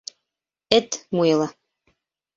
Эт муйылы!..